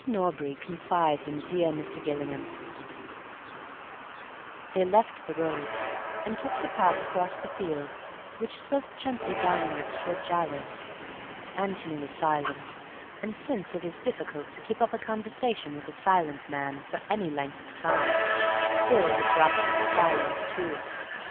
Norbury Confides in Dear Mr. Gillingham They left the road, and took the path across the fields which sloped gently downwards towards Jallands. Antony was silent, and since it is difficult to keep up a conversation with a silent man for any length of time, Bill had dropped into silence too.